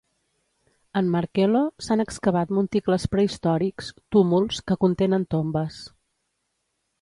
En Markelo, s'han excavat monticles prehistòrics "túmuls", que contenen tombes.